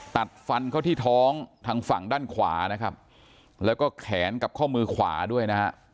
ตัดฟันเข้าที่ท้องทางฝั่งด้านขวานะครับแล้วก็แขนกับข้อมือขวาด้วยนะฮะ